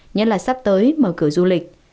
nhất là sắp tới mở cửa du lịch